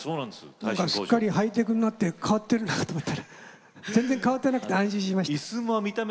すっかりハイテクになって変わってるのかと思ったら全然変わってなくて安心しました。